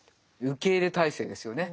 受け入れ態勢ですよね。